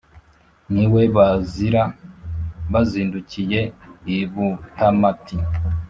ni we bazira, bazindukiye i butamati